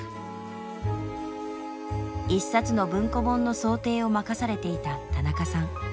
一冊の文庫本の装丁を任されていた田中さん。